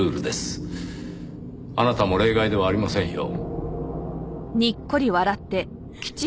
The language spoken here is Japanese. あなたも例外ではありませんよ。